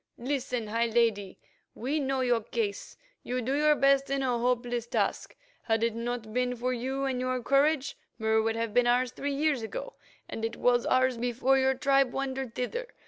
Listen, high Lady; we know your case. You do your best in a hopeless task. Had it not been for you and your courage, Mur would have been ours three years ago, and it was ours before your tribe wandered thither.